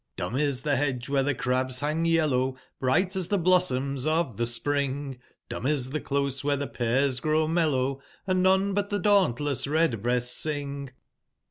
Dumb is the hedge where the crabs hang yellow. Bright as the blossoms of the spring; Dumb is the close where the pears grow mellow, Hnd none but the dauntless redbreasts sing.